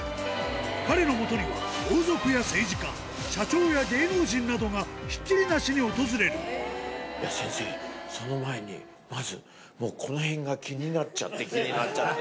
彼のもとには王族や政治家、社長や芸能人などがひっきりなし先生、その前にまず、もうこのへんが気になっちゃって気になっちゃって。